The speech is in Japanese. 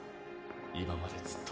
今までずっと。